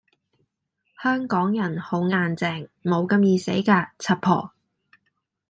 香港人好硬淨，無咁易死架，柒婆